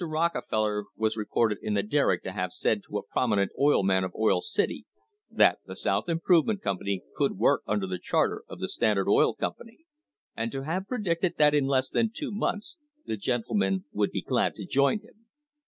Rockefeller was reported in the Derrick to have said to a prominent oil man of Oil City that the South Improvement Company could work under the charter of the Standard Oil Company, and to have predicted that in less than two months the gentlemen would be glad to join him.